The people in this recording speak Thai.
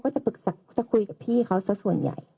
จะคุยกับพี่เขาสักส่วนใหญ่